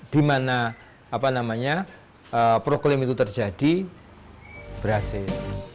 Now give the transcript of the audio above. di mana problem itu terjadi berhasil